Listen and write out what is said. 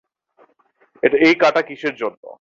এই কাঁটা কীসের জন্য?